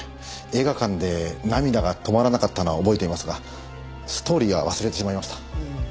映画館で涙が止まらなかったのは覚えていますがストーリーは忘れてしまいました。